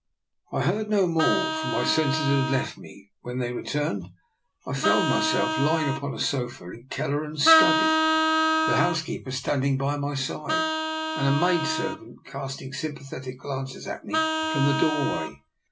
I heard no more, for my senses had left me. When they returned I found myself lying upon a sofa in Kelleran's study, the 30 DR. NIKOLA'S EXPERIMENT. housekeeper standing by my side, and a maid servant casting sympathetic glances at me from the doorway.